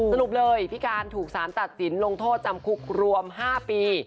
สรุปเลยพี่การถูกสารตัดสินลงโทษจำคุกรวม๕ปี